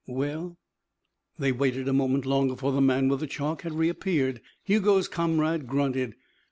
"Well " They waited a moment longer, for the man with the chalk had reappeared. Hugo's comrade grunted.